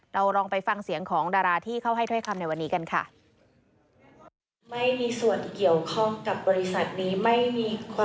เราลองไปฟังเสียงของดาราที่เขาให้ถ้อยคำในวันนี้กันค่ะ